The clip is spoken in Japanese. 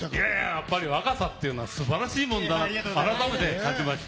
やっぱり若さっていうのはすばらしいものだなと、改めて感じました。